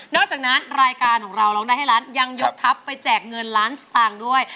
อกจากนั้นรายการของเราร้องได้ให้ล้านยังยกทัพไปแจกเงินล้านสตางค์ด้วย